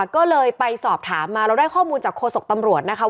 ก็เลยไปสอบถามมาเราได้ข้อมูลจากโฆษกตำรวจนะคะ